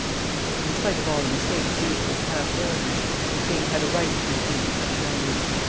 In spite of all the mistakes due to his past arrogance, the king had a right to make use of such language.